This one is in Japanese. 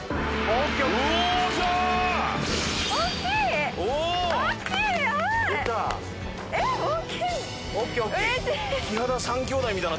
大っきい！